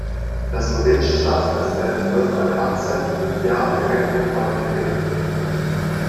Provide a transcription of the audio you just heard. Der slowenische Staatspräsident wird für eine Amtszeit von fünf Jahren direkt vom Volk gewählt.